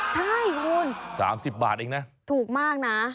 เหรอสามสิบบาทเองนะถูกมากนะ